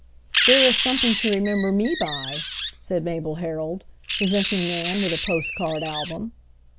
"There is something to remember me by," said Mabel Herold, presenting Nan with a postcard album.